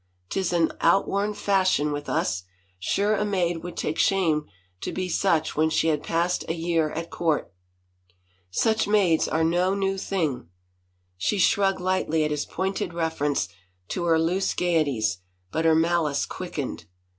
Tis an outworn fashion with us — sure a maid would take shame to be such when she had passed a year at court!" " Such maids are no new thing." She shrugged lightly at his pointed reference to her loose gayeties, but her malice quickened.